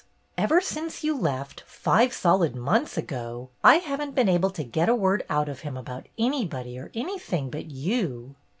"Ever since you left, five solid months ago, I have n't been able to get a word out of him about anybody or anything but you."